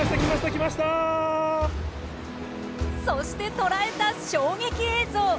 そして捉えた衝撃映像。